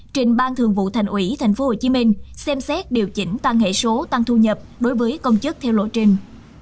trình ban thường vụ thành ủy tp hcm xem xét điều chỉnh tăng hệ số tăng thu nhập đối với công chức theo lộ trình